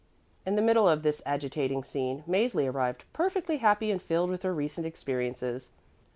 In the middle of this agitating scene Mäzli arrived, perfectly happy and filled with her recent experiences.